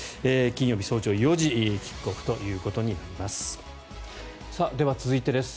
金曜日早朝４時キックオフということになります。